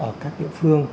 ở các địa phương